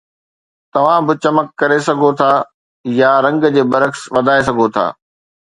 توهان به چمڪ ڪڍي سگهو ٿا يا رنگ جي برعڪس وڌائي سگهو ٿا